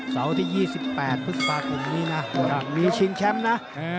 เสาร์ที่๒๘พฤษภาคมนี้นะมีชิงแชมป์นะ